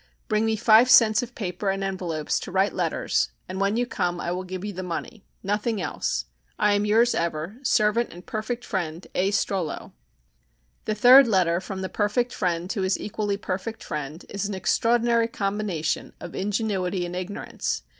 Bring me five cents of paper and envelopes to write letters and when you come I will give you the money. Nothing else. I am yours ever. Servant and Perfect friend, A STROLLO. The third letter from the perfect friend to his equally perfect friend is an extraordinary combination of ingenuity and ignorance.